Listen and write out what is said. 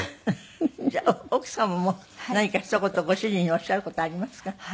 じゃあ奥様も何かひと言ご主人におっしゃる事ありますか？